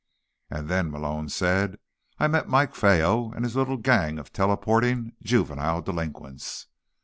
"And then," Malone said, "I met Mike Fueyo and his little gang of teleporting juvenile delinquents."